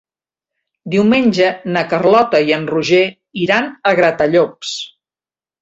Diumenge na Carlota i en Roger iran a Gratallops.